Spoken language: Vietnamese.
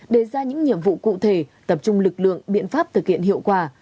đề ra những nhiệm vụ cụ thể tập trung lực lượng biện pháp thực hiện hiệu quả